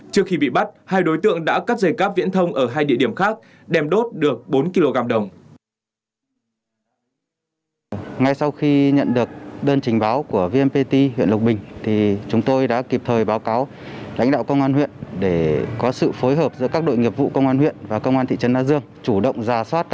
trước khi bị bắt hai đối tượng đã cắt dây cáp viễn thông ở hai địa điểm khác đem đốt được bốn kg đồng